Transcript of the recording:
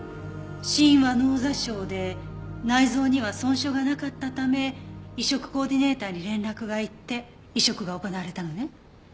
死因は脳挫傷で内臓には損傷がなかったため移植コーディネーターに連絡が行って移植が行われたのね。